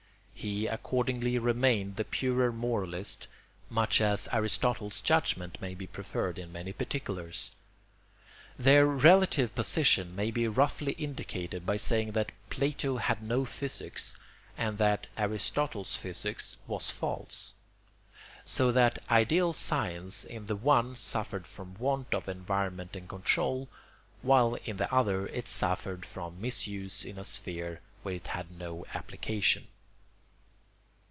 He accordingly remained the purer moralist, much as Aristotle's judgment may be preferred in many particulars. Their relative position may be roughly indicated by saying that Plato had no physics and that Aristotle's physics was false; so that ideal science in the one suffered from want of environment and control, while in the other it suffered from misuse in a sphere where it had no application.